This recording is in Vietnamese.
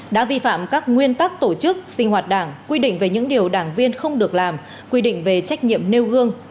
đã vi phạm các nguyên tắc tổ chức sinh hoạt đảng quy định về những điều đảng viên không được làm quy định về trách nhiệm nêu gương